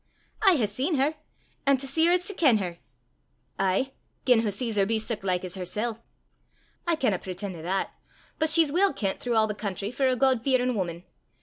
"I hae seen her; an' to see her 's to ken her." "Ay, gien wha sees her be sic like 's hersel'." "I canna preten' to that; but she's weel kent throuw a' the country for a God fearin' wuman.